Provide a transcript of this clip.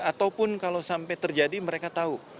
ataupun kalau sampai terjadi mereka tahu